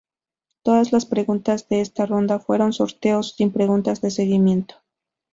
Todas las preguntas de esta ronda fueron sorteos, sin preguntas de seguimiento.